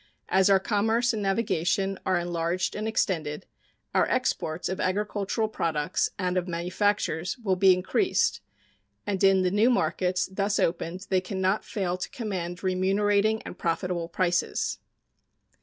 As our commerce and navigation are enlarged and extended, our exports of agricultural products and of manufactures will be increased, and in the new markets thus opened they can not fail to command remunerating and profitable prices.